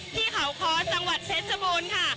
ที่เขาคลอส์จังหวัดเซซต์จบูนค่ะ